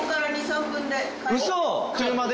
車で？